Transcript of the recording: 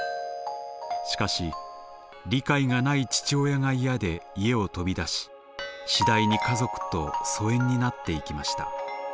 しかし理解がない父親が嫌で家を飛び出し次第に家族と疎遠になっていきました。